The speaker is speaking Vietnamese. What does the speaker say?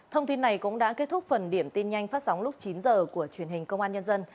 thông tin này cũng đã kết thúc phần điểm tin nhanh phát sóng lúc chín h của truyền hình công an nhân dân